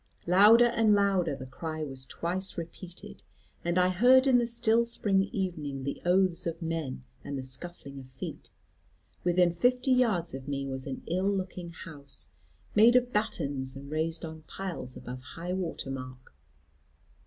Louder and louder the cry was twice repeated, and I heard in the still spring evening the oaths of men and the scuffling of feet. Within fifty yards of me was an ill looking house, made of battens, and raised on piles above high water mark.